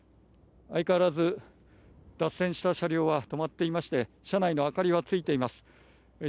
相変わらず脱線した車両は止まっていまして車内の明かりはついています。